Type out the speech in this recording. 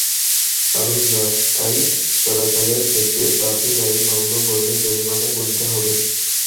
কারণ, রাস্তায় চলাচলের ক্ষেত্রে ট্রাফিক আইন ভঙ্গ করলে জরিমানা গুনতে হবে।